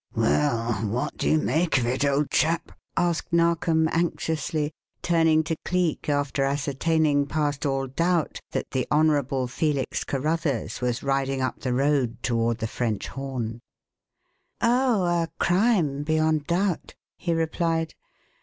"Well, what do you make of it, old chap?" asked Narkom anxiously, turning to Cleek after ascertaining past all doubt that the Honourable Felix Carruthers was riding up the road toward the French Horn. "Oh, a crime beyond doubt," he replied.